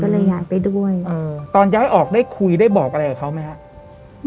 ก็เลยย้ายไปด้วยเออตอนย้ายออกได้คุยได้บอกอะไรกับเขาไหมครับ